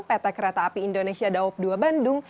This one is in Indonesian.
pt kereta api indonesia daob dua bandung